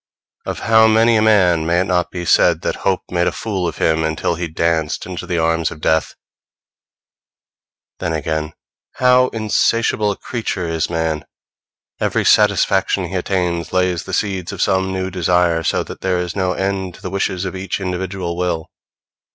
Of how many a man may it not be said that hope made a fool of him until he danced into the arms of death! Then again, how insatiable a creature is man! Every satisfaction he attains lays the seeds of some new desire, so that there is no end to the wishes of each individual will.